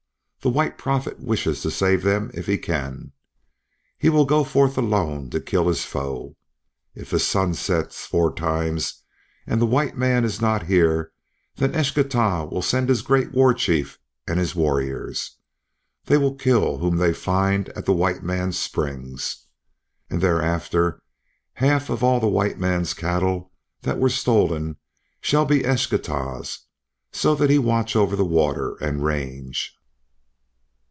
The White Prophet wishes to save them if he can. He will go forth alone to kill his foe. If the sun sets four times and the white man is not here, then Eschtah will send his great war chief and his warriors. They will kill whom they find at the white man's springs. And thereafter half of all the white man's cattle that were stolen shall be Eschtah's, so that he watch over the water and range."